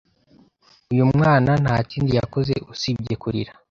Uyu mwana nta kindi yakoze usibye kurira.